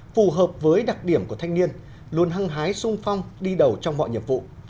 phù hợp với đặc điểm của thanh niên luôn hăng hái sung phong đi đầu trong mọi nhiệm vụ